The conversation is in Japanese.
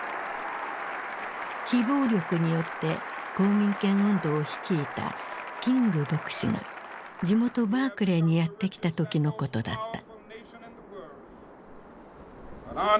非暴力によって公民権運動を率いたキング牧師が地元バークレーにやって来た時のことだった。